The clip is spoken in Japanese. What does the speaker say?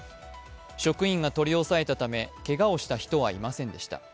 職員が取り押さえたためけがをした人はいませんでした。